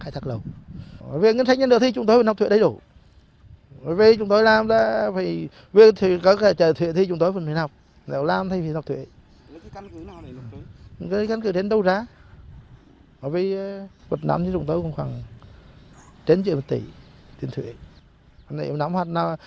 thế nhưng trong tối cũng khoảng trên triệu một tỷ